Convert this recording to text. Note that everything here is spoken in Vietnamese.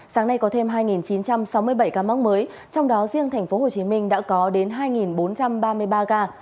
sáng nay có thêm hai chín trăm sáu mươi bảy ca mắc mới trong đó riêng tp hcm đã có đến hai bốn trăm ba mươi ba ca